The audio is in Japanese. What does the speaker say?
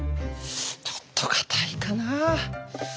ちょっと堅いかな。